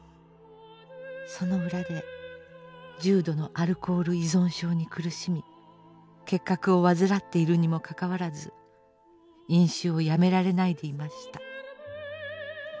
その裏で重度のアルコール依存症に苦しみ結核を患っているにもかかわらず飲酒をやめられないでいました。